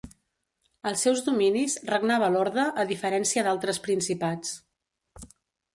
Als seus dominis regnava l'orde a diferència d'altres principats.